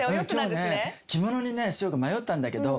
着物にしようか迷ったんだけど。